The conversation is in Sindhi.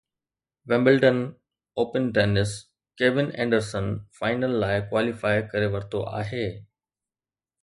Wimbledon open tennis Kevin Anderson final لاءِ ڪواليفائي ڪري ورتو آهي